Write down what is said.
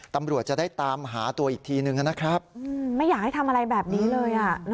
ตำรวจจะได้ตามหาตัวอีกทีนึงนะครับไม่อยากให้ทำอะไรแบบนี้เลย